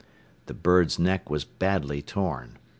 The bird's neck was badly torn.